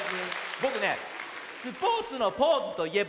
ぼくね「スポーツのポーズといえば？」